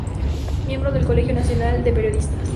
Miembro del Colegio Nacional de Periodistas.